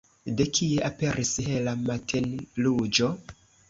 De kie aperis hela matenruĝo?